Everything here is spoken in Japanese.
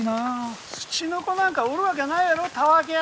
ツチノコなんかおるわけないやろたわけ！